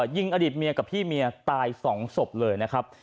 ยิงอดีตเมียกับพี่เมียตาย๒ศพเลยนะครับ